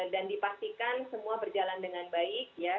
dan dipastikan semua berjalan dengan baik ya